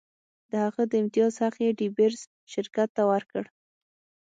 د هغه د امتیاز حق یې ډي بیرز شرکت ته ورکړ.